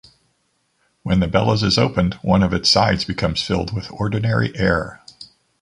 When the bellows is opened, one of its sides becomes filled with ordinary air.